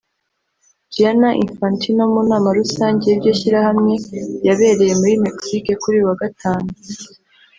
Gianna Infantino mu nama rusange y’iryo shyirahamwe yabereye muri Mexique kuri uyu wa Gatanu